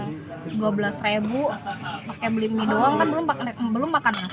pakai beli mie doang kan belum makan nasi gitu